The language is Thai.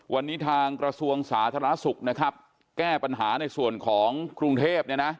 วันนี้ทางกระทรวงสาธารณสุขแก้ปัญหาในส่วนของกรุงเทพ